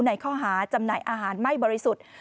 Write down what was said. ในข้อหาจำหน่ายอาหารไม่บริสุทธิ์